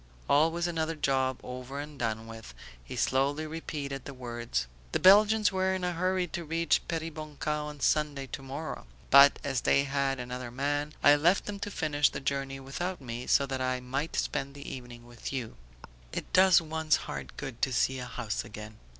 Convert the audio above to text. "Always another job over and done with," he slowly repeated the words. "The Belgians were in a hurry to reach Peribonka on Sunday, tomorrow; but, as they had another man, I left them to finish the journey without me so that I might spend the evening with you. It does one's heart good to see a house again."